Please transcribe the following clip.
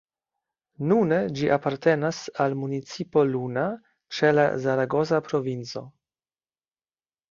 Nune ĝi apartenas al municipo Luna, ĉe la Zaragoza provinco.